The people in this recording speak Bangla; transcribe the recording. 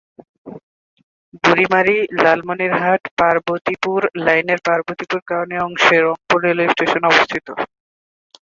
বুড়ীমারি-লালমনিরহাট-পার্বতীপুর লাইনের পার্বতীপুর-কাউনিয়া অংশে রংপুর রেলওয়ে স্টেশন অবস্থিত।